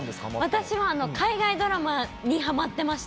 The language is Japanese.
私は海外ドラマにハマってました。